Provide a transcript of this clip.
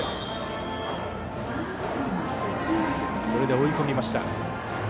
これで追い込みました。